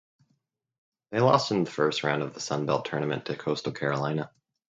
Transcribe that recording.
They lost in the first round of the Sun Belt Tournament to Coastal Carolina.